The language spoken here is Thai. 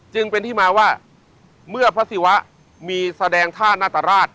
จึงเป็นที่มาว่าเมื่อพระศิวะมีแสดงท่านาตราช